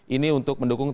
ini untuk mendukung transfer